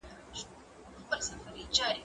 کتابتون کار د زهشوم له خوا کيږي؟!